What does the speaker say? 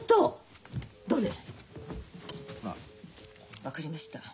分かりました。